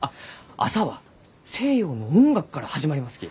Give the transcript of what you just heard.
朝は西洋の音楽から始まりますき。